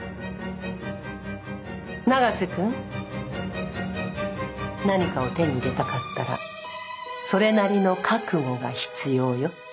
永瀬君何かを手に入れたかったらそれなりの覚悟が必要よ。